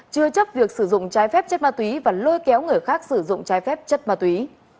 chưa chấp việc sử dụng trái phép chất ma túy và lôi kéo người khác sử dụng trái phép chất ma túy